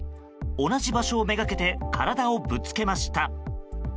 同じ場所をめがけて体をぶつけました。